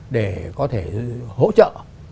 để có thể hỗ trợ